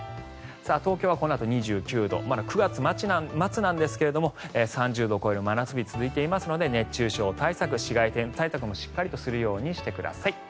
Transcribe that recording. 東京はこのあと２９度まだ９月末なんですが３０度を超える真夏日が続いていますので熱中症対策紫外線対策もしっかりとするようにしてください。